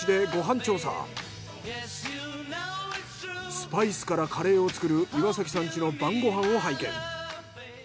スパイスからカレーを作る岩さんちの晩ご飯を拝見。